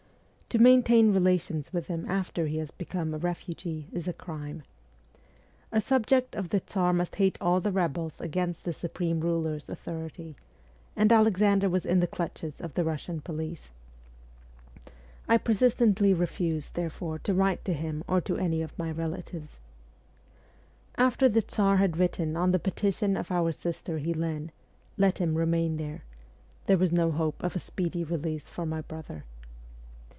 To maintain relations with him after he has become a refugee is a crime. A subject of the Tsar must hate all the rebels against the supreme ruler's authority and Alexander was in the clutches of the Russian police. I persistently refused therefore to write to him or to any of my relatives. After the Tsar had written on the petition of our sister Helene, ' Let him remain there,' there was no hope of a speedy release for my brother.